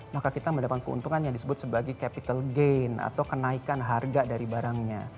maka kita mendapat keuntungan yang disebut sebagai capital gain atau kenaikan harga dari barangnya